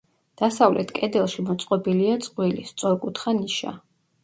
დასავლეთ კედელში მოწყობილია წყვილი, სწორკუთხა ნიშა.